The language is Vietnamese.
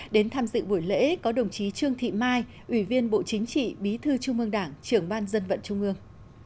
đến tham dự buổi lễ có đồng chí trương thị mai ủy viên bộ chính trị bí thư trung ương đảng trưởng ban dân vận trung ương